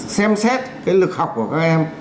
xem xét cái lực học của các em